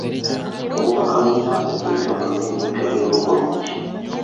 Obubaka bulina okuyita mu lulimi olutegeerwa obulungi.